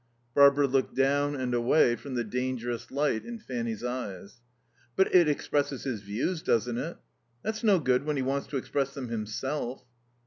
Barbara looked down and away from the dangerous light in Fanny's eyes. "But it expresses his views, doesn't it?" "That's no good when he wants to express them himself."